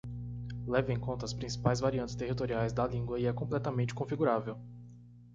Leva em conta as principais variantes territoriais da língua e é completamente configurável.